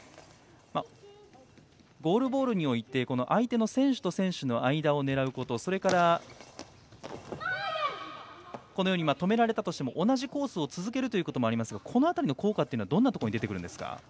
ゴールボールにおいて相手の選手と選手の間を狙うこと、それから止められたとしても同じコースを続けるということがありますがこの辺りの効果はどう出てきますか。